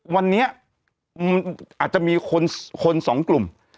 วันนี้อาจจะมีคนสองกลุ่ม